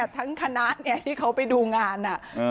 ทั้งคณะส์ใหญ่ที่เขาไปดูงาน